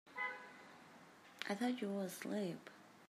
I thought you were asleep.